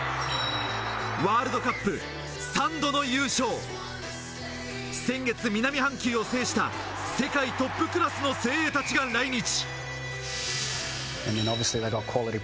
ワールドカップ３度の優勝、先月、南半球を制した世界トップクラスの精鋭たちが来日。